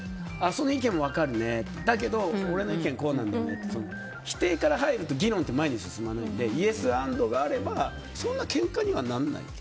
その意見も分かるねだけど俺の意見こうなんだよねって否定から入ると議論って前に進まないのでイエスアンドがあればそんなにけんかにはならない。